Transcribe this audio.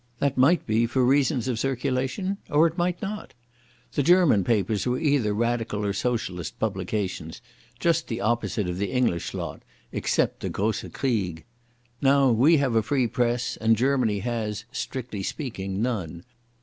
That might be for reasons of circulation, or it might not. The German papers were either Radical or Socialist publications, just the opposite of the English lot, except the Grosse Krieg. Now we have a free press, and Germany has, strictly speaking, none.